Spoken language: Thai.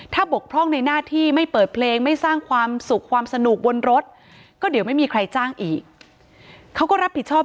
ถ้าบกพร่องในหน้าที่ไม่เปิดเพลงไม่สร้างความสุขความสนุกบนรถก็เดี๋ยวไม่มีใครจ้างอีกเขาก็รับผิดชอบ